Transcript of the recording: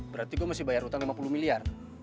berarti gue mesti bayar hutang lima puluh miliar